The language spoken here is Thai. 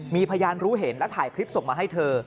มีพยานรู้เห็นและถ่ายคลิปส่งมาให้เธอ